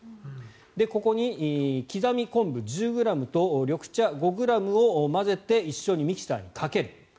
ここに刻み昆布１０ｇと緑茶５ｇを混ぜて一緒にミキサーにかける。